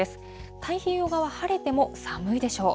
太平洋側、晴れても寒いでしょう。